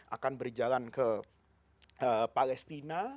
akan berjalan ke palestina